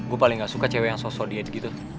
gue paling gak suka cewek yang sosok diet gitu